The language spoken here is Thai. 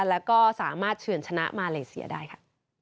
แล้วก็สามารถเฉินชนะมาเลเซียได้ค่ะ